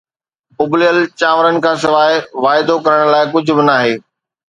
اُبليل چانورن کان سواءِ واعدو ڪرڻ لاءِ ڪجهه به ناهي